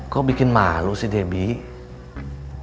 kok bikin malu sih debbie